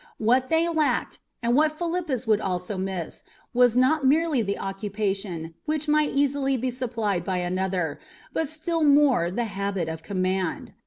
What they lacked, and what Philippus would also miss, was not merely the occupation, which might easily be supplied by another, but still more the habit of command.